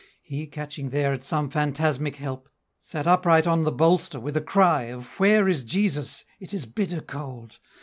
He, catching there at some phantasmic help, Sat upright on the bolster with a cry Of "Where is Jesus? It is bitter cold!"